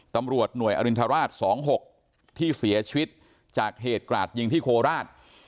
ตำรวจหน่วยอรินทราช๒๖ที่เสียชีวิตจากเหตุกราดยิงที่โคราช